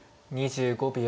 ２５秒。